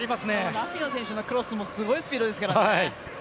ラピノ選手のクロスもすごいスピードですからね。